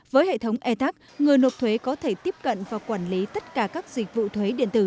với hệ thống etax người nộp thuế có thể tiếp cận và quản lý tất cả các dịch vụ thuế điện tử